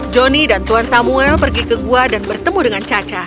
joni dan tuan samuel pergi ke gua dan bertemu dengan caca